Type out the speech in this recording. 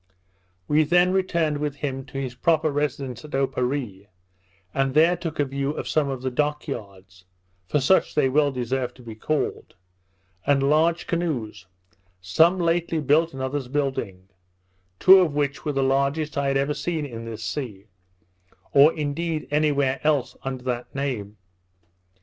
We then returned with him to his proper residence at Oparree, and there took a view of some of his dock yards (for such they well deserve to be called) and large canoes; some lately built, and others building; two of which were the largest I had ever seen in this sea; or indeed any where else, under that name.